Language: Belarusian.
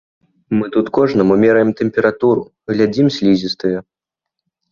Мы тут кожнаму мераем тэмпературу, глядзім слізістыя.